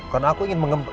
karena aku ingin mengembang